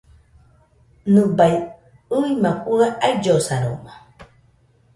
Nɨbaɨ ɨima fue aillosarona.